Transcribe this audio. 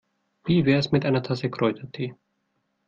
Wie wär's mit einer Tasse Kräutertee?